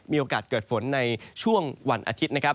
มีโอกาสเกิดฝนในช่วงวันอาทิตย์นะครับ